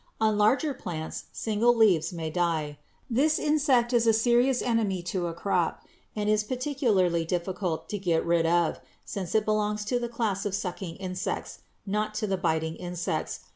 On larger plants single leaves may die. This insect is a serious enemy to a crop and is particularly difficult to get rid of, since it belongs to the class of sucking insects, not to the biting insects.